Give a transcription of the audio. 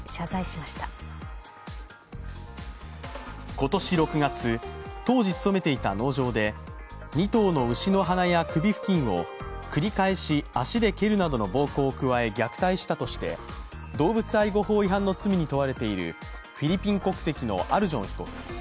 今年６月、当時勤めていた農場で２頭の牛の鼻や首付近を足で蹴るなどの暴行を加え、虐待したとして動物愛護法違反の罪に問われているフィリピン国籍のアルジョン被告。